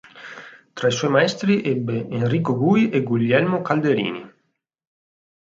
Tra i suoi maestri ebbe Enrico Gui e Guglielmo Calderini.